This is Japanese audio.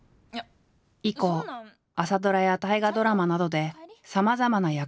以降朝ドラや大河ドラマなどでさまざまな役を経験。